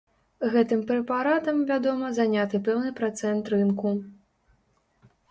Гэтым прэпаратам, вядома, заняты пэўны працэнт рынку.